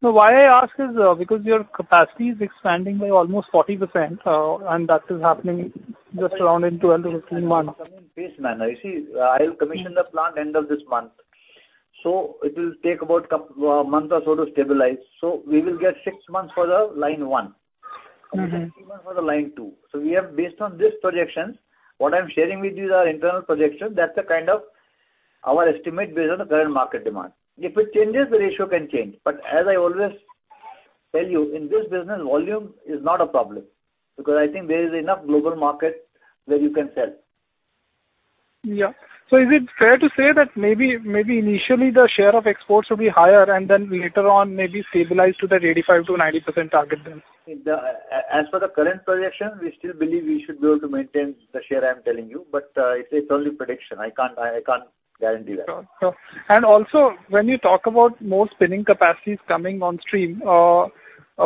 Now, why I ask is because your capacity is expanding by almost 40%, and that is happening just around in 12-15 months. It will come in phase manner. You see, I'll commission the plant end of this month. It'll take about a month or so to stabilize. We will get six months for the line one and six months for the line two. Based on these projections, what I'm sharing with you is our internal projection. That's our estimate based on the current market demand. If it changes, the ratio can change. As I always tell you, in this business, volume is not a problem, because I think there is enough global market where you can sell. Yeah. Is it fair to say that maybe initially the share of exports will be higher and then later on maybe stabilize to that 85%-90% target then? As for the current projection, we still believe we should be able to maintain the share I'm telling you, but it's only prediction. I can't guarantee that. Sure. Also, when you talk about more spinning capacities coming on stream,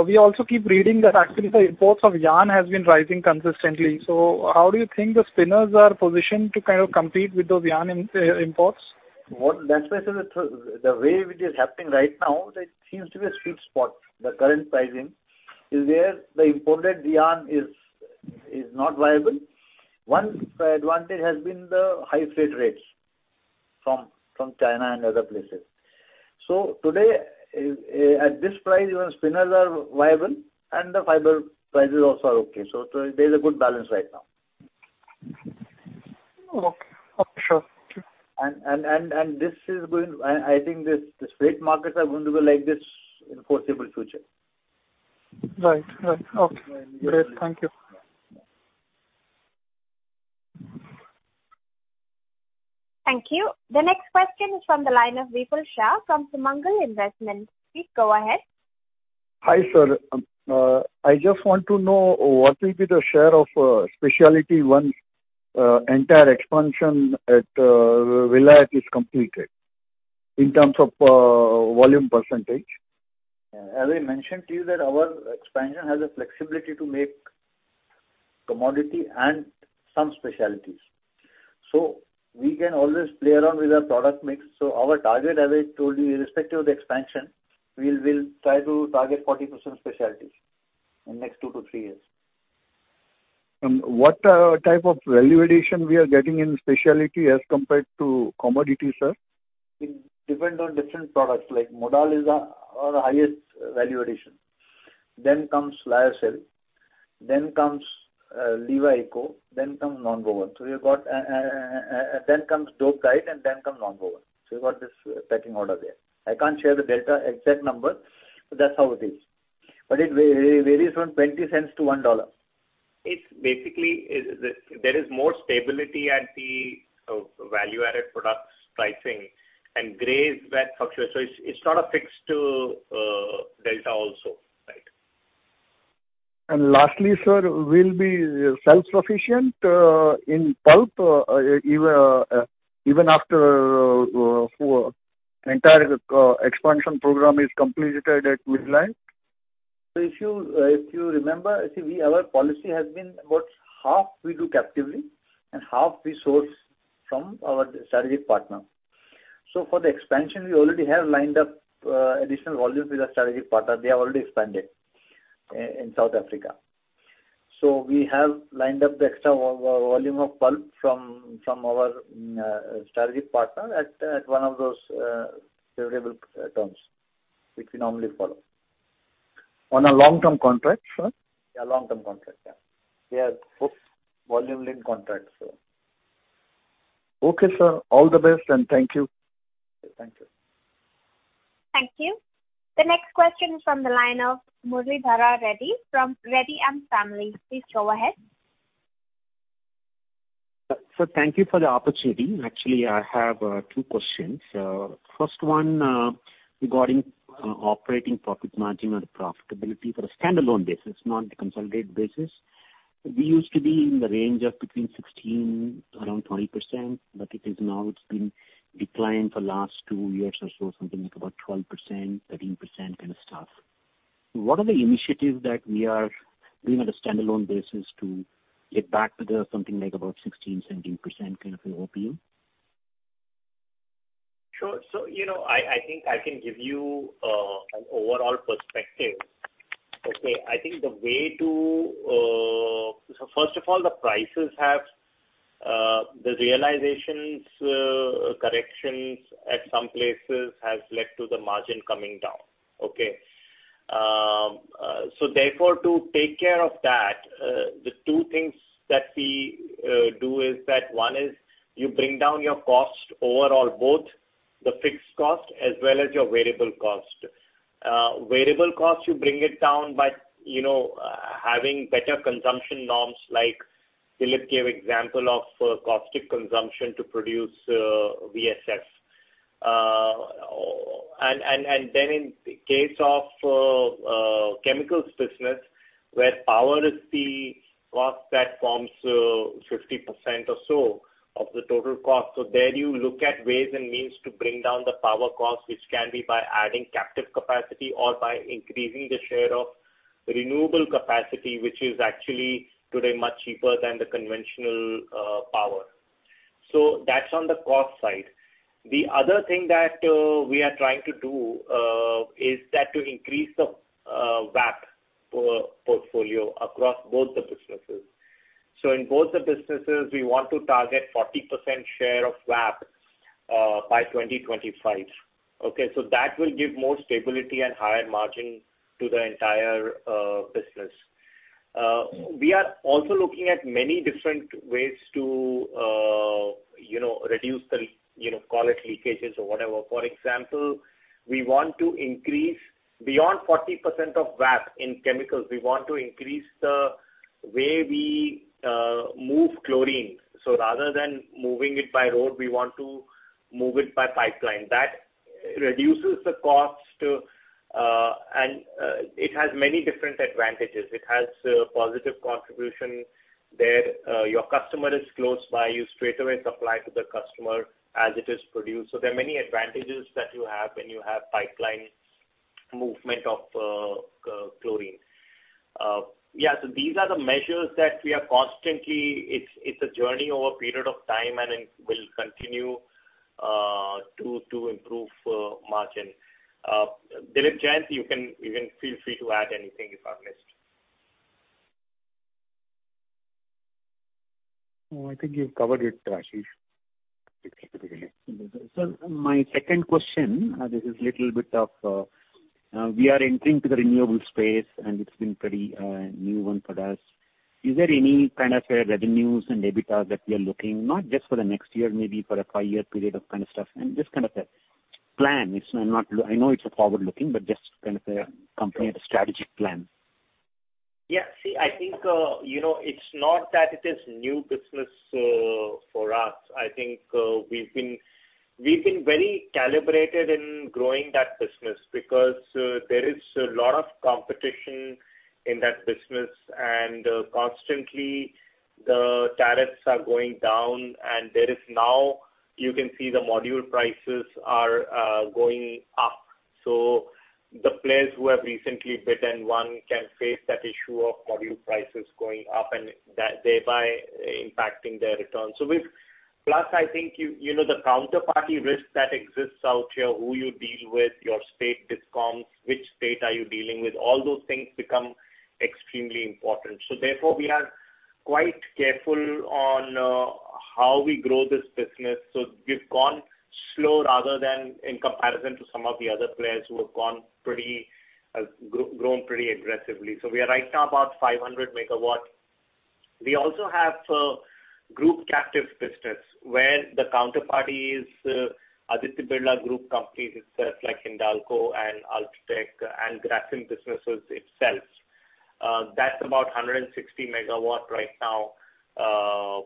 we also keep reading that actually the imports of yarn has been rising consistently. How do you think the spinners are positioned to kind of compete with those yarn imports? The way it is happening right now, there seems to be a sweet spot. The current pricing is where the imported yarn is not viable. One advantage has been the high freight rates from China and other places. Today, at this price, even spinners are viable and the fiber prices also are okay. There's a good balance right now. Okay. Sure. I think these freight markets are going to be like this in foreseeable future. Right. Okay, great. Thank you. Thank you. The next question is from the line of Vipul Shah from Sumangal Investments. Please go ahead. Hi, sir. I just want to know what will be the share of speciality once entire expansion at Vilayat is completed in terms of volume percentage. As I mentioned to you that our expansion has a flexibility to make commodity and some specialties. We can always play around with our product mix. Our target, as I told you, irrespective of the expansion, we'll try to target 40% specialties in next two to three years. What type of value addition we are getting in specialty as compared to commodity, sir? It depends on different products. modal is our highest value addition. Then comes lyocell, then comes Livaeco, then comes nonwoven. Then comes dope dyed and then comes nonwoven. We've got this pecking order there. I can't share the delta exact number, but that's how it is. It varies from $0.20 to $1. It's basically, there is more stability at the value-added products pricing and grades that fluctuate. It's not a fixed delta also, right? Lastly, sir, will we be self-sufficient in pulp even after entire expansion program is completed at Vilayat? If you remember, our policy has been about half we do captively and half we source from our strategic partner. For the expansion, we already have lined up additional volume with our strategic partner. They have already expanded in South Africa. We have lined up the extra volume of pulp from our strategic partner at one of those favorable terms, which we normally follow. On a long-term contract, sir? Yeah, long-term contract. Yeah. We have volume link contract, sir. Okay, sir. All the best, and thank you. Thank you. Thank you. The next question is from the line of Muralidhara Reddy from Reddy and Family. Please go ahead. Sir, thank you for the opportunity. Actually, I have two questions. First one regarding operating profit margin or profitability for a standalone basis, not the consolidated basis. We used to be in the range of between 16% around 20%. It is now it's been declined for last two years or so, something like about 12%-13% kind of stuff. What are the initiatives that we are doing on a standalone basis to get back to the something like about 16%-17% kind of an OPM? Sure. I think I can give you an overall perspective. First of all, the prices have the realizations, corrections at some places has led to the margin coming down. Therefore, to take care of that, the two things that we do is that one is you bring down your cost overall, both the fixed cost as well as your variable cost. Variable cost, you bring it down by having better consumption norms like Dilip gave example of caustic consumption to produce VSF. Then in case of chemicals business, where power is the cost that forms 50% or so of the total cost. There you look at ways and means to bring down the power cost, which can be by adding captive capacity or by increasing the share of renewable capacity, which is actually today much cheaper than the conventional power. That's on the cost side. The other thing that we are trying to do is that to increase the VAP portfolio across both the businesses. In both the businesses, we want to target 40% share of VAP by 2025. That will give more stability and higher margin to the entire business. We are also looking at many different ways to reduce the quality leakages or whatever. For example, we want to increase beyond 40% of VAP in Chemicals. We want to increase the way we move chlorine. Rather than moving it by road, we want to move it by pipeline. That reduces the cost, and it has many different advantages. It has a positive contribution there. Your customer is close by you, straightaway supply to the customer as it is produced. There are many advantages that you have when you have pipeline movement of chlorine. Yeah. These are the measures that we are constantly It's a journey over a period of time, and it will continue to improve margin. Dilip, Jayant, you can feel free to add anything if I've missed. No, I think you've covered it, Ashish. Okay. Sir, my second question. This is little bit of. We are entering to the renewable space, and it's been pretty new one for us. Is there any kind of revenues and EBITDA that we are looking, not just for the next year, maybe for a five-year period of kind of stuff? Just kind of a plan. I know it's forward-looking, but just kind of a company strategic plan. Yeah. See, I think, it's not that it is new business for us. I think we've been very calibrated in growing that business because there is a lot of competition in that business, and constantly the tariffs are going down, and there is now you can see the module prices are going up. The players who have recently bid in one can face that issue of module prices going up, and thereby impacting their returns. Plus, I think you, the counterparty risk that exists out here, who you deal with, your state discoms, which state are you dealing with, all those things become extremely important. Therefore, we are quite careful on how we grow this business. We've gone slow rather than in comparison to some of the other players who have grown pretty aggressively. We are right now about 500 MW. We also have group captive business where the counterparty is Aditya Birla Group companies itself, like Hindalco and UltraTech and Grasim businesses itself. That's about 160 MW right now. That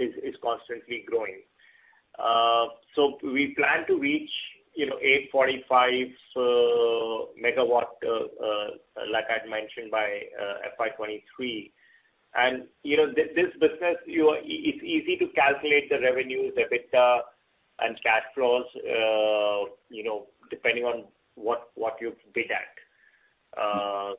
is constantly growing. We plan to reach 845 MW, like I'd mentioned, by FY 2023. This business, it's easy to calculate the revenues, EBITDA, and cash flows, depending on what you bid at.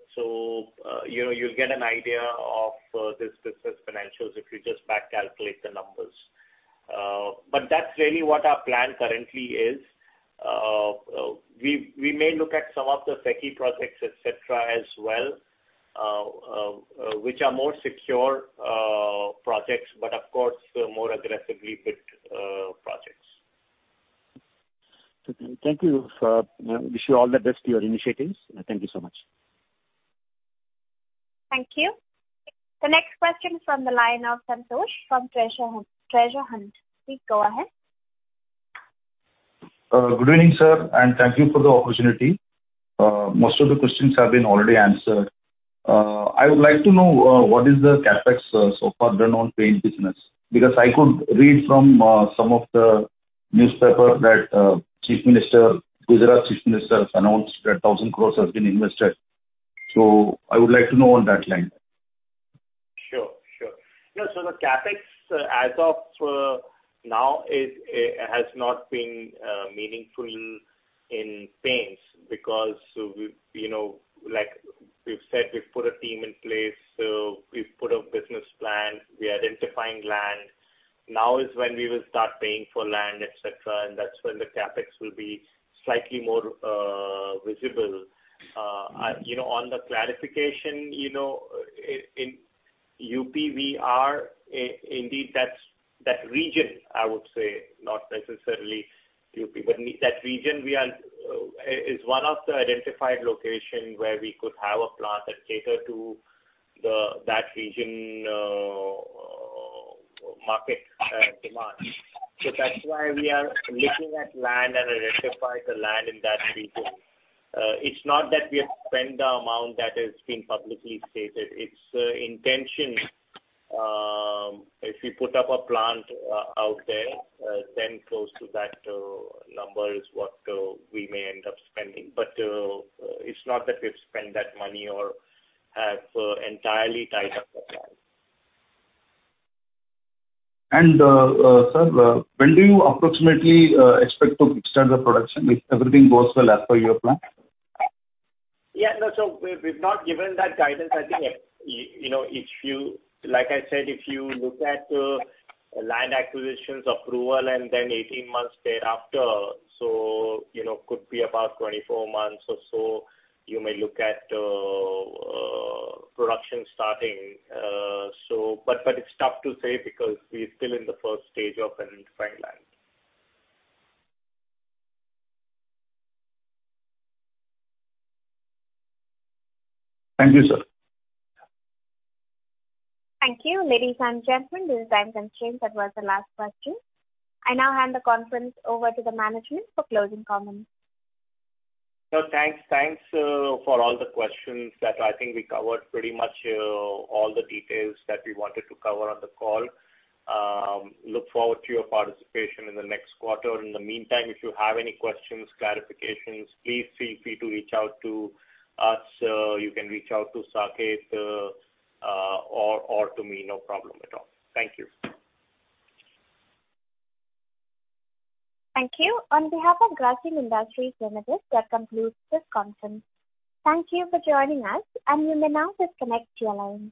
You'll get an idea of this business financials if you just back calculate the numbers. That's really what our plan currently is. We may look at some of the SECI projects, et cetera, as well, which are more secure projects, but of course, more aggressively bid projects. Okay. Thank you, sir. Wish you all the best for your initiatives. Thank you so much. Thank you. The next question from the line of Santosh from Treasure Hunt. Please go ahead. Good evening, sir. Thank you for the opportunity. Most of the questions have been already answered. I would like to know what is the CapEx so far done on paints business. I could read from some of the newspaper that Gujarat Chief Minister has announced that 1,000 crores has been invested. I would like to know on that line. Sure. The CapEx as of now has not been meaningful in paints because, like we've said, we've put a team in place, we've put a business plan, we're identifying land. Now is when we will start paying for land, et cetera, and that's when the CapEx will be slightly more visible. On the clarification, in UP, we are indeed that region, I would say, not necessarily UP. That region is one of the identified location where we could have a plant that cater to that region market demand. That's why we are looking at land and identify the land in that region. It's not that we have spent the amount that has been publicly stated. It's intention. If we put up a plant out there, then close to that number is what we may end up spending. It's not that we've spent that money or have entirely tied up the plan. Sir, when do you approximately expect to kickstart the production if everything goes well as per your plan? Yeah. No. We've not given that guidance. Like I said, if you look at land acquisitions approval and then 18 months thereafter, could be about 24 months or so, you may look at production starting. It's tough to say because we're still in the first stage of identifying land. Thank you, sir. Thank you. Ladies and gentlemen, this time's been changed. That was the last question. I now hand the conference over to the management for closing comments. Thanks for all the questions. I think we covered pretty much all the details that we wanted to cover on the call. Look forward to your participation in the next quarter. In the meantime, if you have any questions, clarifications, please feel free to reach out to us. You can reach out to Saket or to me, no problem at all. Thank you. Thank you. On behalf of Grasim Industries Limited, that concludes this conference. Thank you for joining us, and you may now disconnect your lines.